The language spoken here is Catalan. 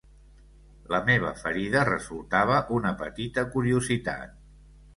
La meva ferida resultava una petita curiositat